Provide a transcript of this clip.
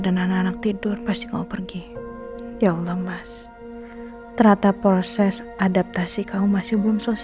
n papa siapa sih